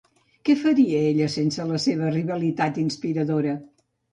Què faria ella sense la seva rivalitat inspiradora?